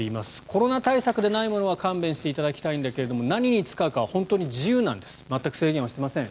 コロナ対策でないものは勘弁していただきたいんだけど何に使うかは本当に自由なんです全く制限はしていません。